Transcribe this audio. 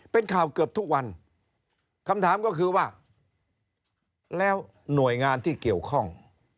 เป็นข่าวเกือบทุกวันคำถามก็คือว่าแล้วหน่วยงานที่เกี่ยวข้อง